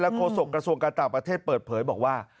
โฆษกระทรวงการต่างประเทศเปิดเผยบอกว่า